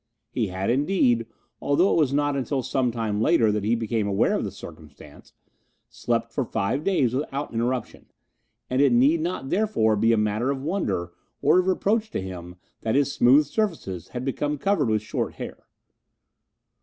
He had, indeed, although it was not until some time later that he became aware of the circumstance, slept for five days without interruption, and it need not therefore be a matter of wonder or of reproach to him that his smooth surfaces had become covered with short hair.